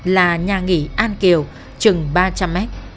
là nhà nghỉ an kiều chừng ba trăm linh mét